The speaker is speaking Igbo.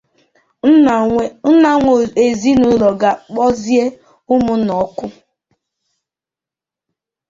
Nna nwe ezinaụlọ ga-akpọzie ụmụnna òkù